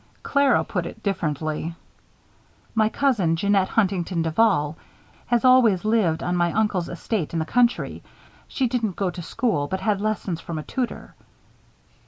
Clara put it differently. "My cousin, Jeanette Huntington Duval, has always lived on my uncle's estate in the country. She didn't go to school, but had lessons from a tutor."